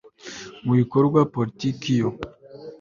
mu bikorwa politiki yo